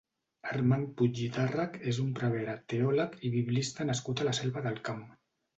Armand Puig i Tàrrech és un prevere, teòleg i biblista nascut a la Selva del Camp.